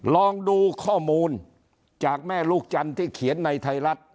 ลองดูข้อมูลจากแม่ลูกจันทร์ที่เขียนในไทยรัฐ